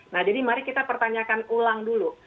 nah jadi mari kita pertanyakan ulang dulu